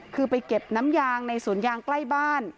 คือไปเก็บน้ำยางในสวนยางใกล้บ้าน